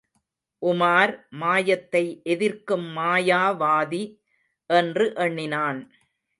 உமார் மாயத்தை எதிர்க்கும் மாயாவாதி என்று எண்ணினான்.